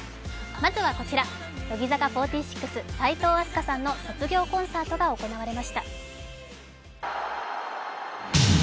まずはこちら乃木坂４６齋藤飛鳥さんの卒業コンサートが行われました。